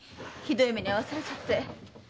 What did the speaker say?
ひどい目に遭わされちゃって。